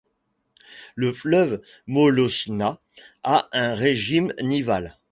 Le fleuve Molotchna a un régime nival.